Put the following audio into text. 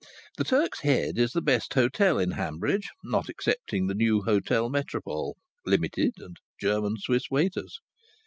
The Turk's Head is the best hotel in Hanbridge, not excepting the new Hotel Metropole (Limited, and German Swiss waiters).